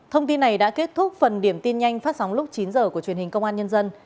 thông tin này đã kết thúc phần điểm tin nhanh phát sóng lúc chín h của truyền hình công an nhân dân